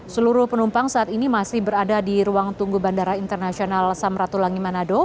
seluruh penumpang saat ini masih berada di ruang tunggu bandara internasional samratulangi manado